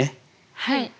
はい。